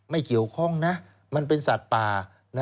ไม่เกี่ยวข้องนะมันเป็นสัตว์ป่า